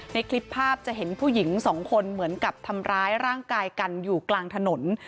ในคลิปภาพจะเห็นผู้หญิงสองคนเหมือนกับทำร้ายร่างกายกันอยู่กลางถนน